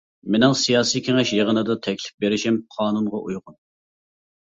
مېنىڭ سىياسىي كېڭەش يىغىنىدا تەكلىپ بېرىشىم قانۇنغا ئۇيغۇن.